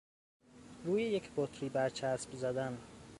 روی یک بطری برچسب زدن